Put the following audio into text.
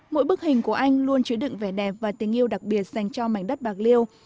mỗi bức hình của anh luôn chứa đựng vẻ đẹp và tình yêu đặc biệt dành cho mảnh đất bạc liêu